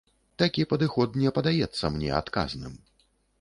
Такі падыход не падаецца мне адказным.